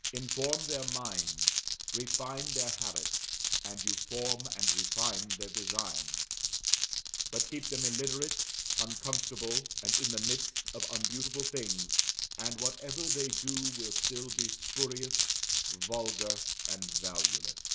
Inform their minds, refine their habits, and you form and refine their designs; but keep them illiterate, uncomfortable, and in the midst of unbeautiful things, and whatever they do will still be spurious, vulgar, and valueless.